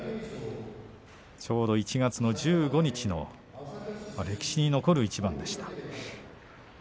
ちょうど１月１５日の歴史に残る一番でした。